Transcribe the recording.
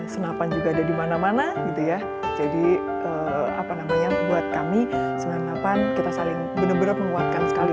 senapan juga ada di mana mana jadi buat kami senapan kita saling benar benar memuatkan sekali